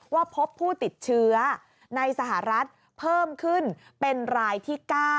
ว่าพบผู้ติดเชื้อในสหรัฐเพิ่มขึ้นเป็นรายที่๙